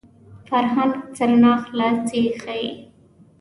فرهنګ سرناخلاصي ښيي